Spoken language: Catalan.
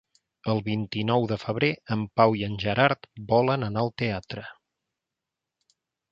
El vint-i-nou de febrer en Pau i en Gerard volen anar al teatre.